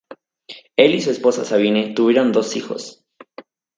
Él y su esposa Sabine tuvieron dos hijos.